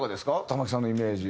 玉置さんのイメージ。